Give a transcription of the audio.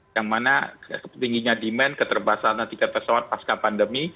yang mana kepentingannya demand keterbasan tiket pesawat pasca pandemi